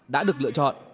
đã được lựa chọn